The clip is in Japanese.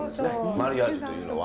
マリアージュというのは。